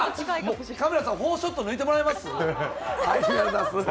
カメラさん、フォーショット抜いてもらえます？